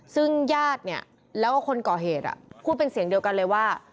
ซึ่งญาติเนี่ยแล้วก็คนก่อเหตุพูดเป็นเสียงเดียวกันเลยว่า